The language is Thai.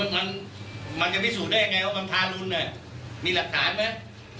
มันจะพิสูจน์ได้ยังไงว่ามันทารุณอ่ะมีหลักฐานมั้ย